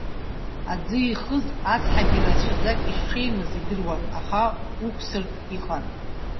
Аӡы ихыз ацҳагьы рацәаӡак ишҽеимыз идыруан, аха уқәсыртә иҟан.